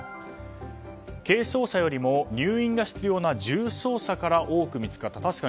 軽症者よりも入院が必要な重症者から多く見つかったと。